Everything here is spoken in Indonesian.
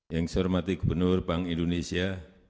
yang saya hormati gubernur bank indonesia